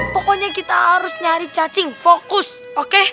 pokoknya kita harus nyari cacing fokus oke